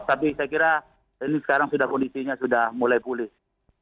tapi saya kira ini sekarang sudah kondisinya sudah mulai pulih